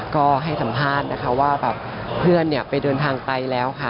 ก็ให้สัมภาษณ์นะคะว่าแบบเพื่อนไปเดินทางไปแล้วค่ะ